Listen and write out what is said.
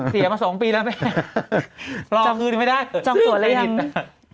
เสียมาสองปีแล้วแม่รอคืนไม่ได้จองตัวแล้วยัง